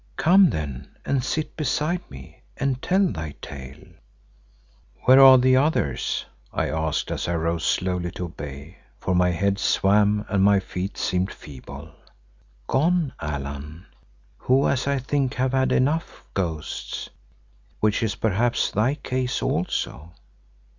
Come then and sit beside me and tell thy tale." "Where are the others?" I asked as I rose slowly to obey, for my head swam and my feet seemed feeble. "Gone, Allan, who as I think have had enough of ghosts, which is perhaps thy case also.